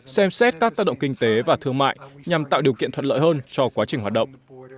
xem xét các tác động kinh tế và thương mại nhằm tạo điều kiện thuận lợi hơn cho quá trình hoạt động